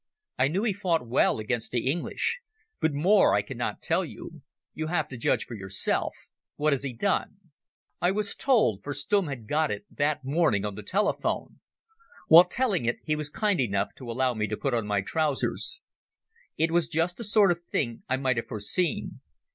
I knew he fought well against the English. But more I cannot tell you. You have to judge him for yourself. What has he done?" I was told, for Stumm had got it that morning on the telephone. While telling it he was kind enough to allow me to put on my trousers. It was just the sort of thing I might have foreseen.